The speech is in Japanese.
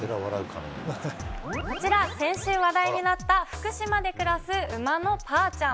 こちら、先週話題になった福島で暮らす馬のパーちゃん。